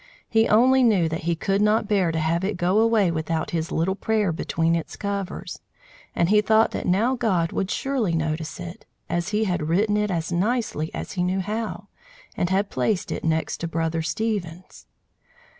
He only knew that he could not bear to have it go away without his little prayer between its covers; and he thought that now God would surely notice it, as he had written it as nicely as he knew how, and had placed it next to Brother Stephen's.